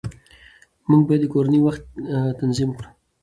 موږ باید د کورنۍ وخت تنظیم کړو